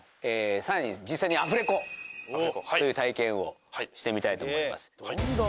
さらに実際にアフレコという体験をしてみたいと思います。